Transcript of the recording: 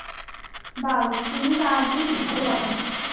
বাল, তুমি কোন কাজই ঠিকভাবে করোনা।